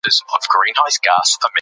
زعفران د دوی ژوند بدل کړی دی.